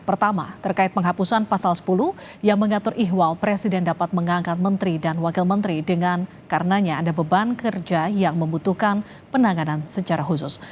pertama terkait penghapusan pasal sepuluh yang mengatur ihwal presiden dapat mengangkat menteri dan wakil menteri dengan karenanya ada beban kerja yang membutuhkan penanganan secara khusus